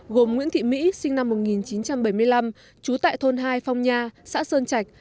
gồm nguyễn thị mỹ sinh năm một nghìn chín trăm bảy mươi năm trú tại thôn hai phong nha xã sơn trạch